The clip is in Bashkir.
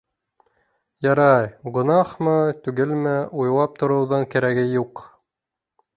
Ярай, гонаһмы, түгелме, уйлап тороуҙың кәрәге юҡ.